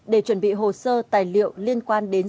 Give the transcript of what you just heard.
để chuẩn bị hồ sơ tài liệu liên quan đến